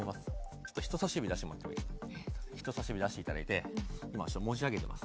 ちょっと人さし指出してもらってもいいですか人さし指出していただいて今ちょっと持ち上げてます